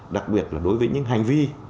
đặc biệt là đối với những hành vi